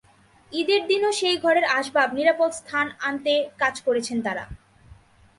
ঈদের দিনও সেই ঘরের আসবাব নিরাপদ স্থান আনতে কাজ করেছেন তাঁরা।